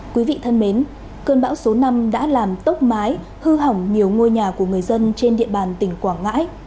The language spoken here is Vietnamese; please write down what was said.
quý vị thân mến cơn bão số năm đã làm tốc mái hư hỏng nhiều ngôi nhà của người dân trên địa bàn tỉnh quảng ngãi